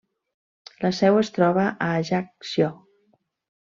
La seu es troba a Ajaccio.